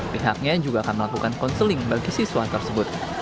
pihaknya juga akan melakukan konseling bagi siswa tersebut